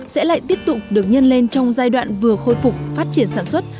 sẽ lại tiếp tục được nhân lên trong giai đoạn vừa khôi phục phát triển sản xuất